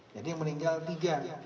jadi meninggal tiga